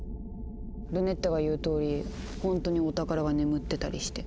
ルネッタが言うとおりほんとにお宝が眠ってたりして。